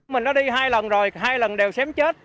mình nó đi hai lần rồi hai lần đều xém chết